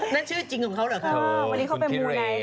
น่าชื่อจริงของเขาเหรอกคะ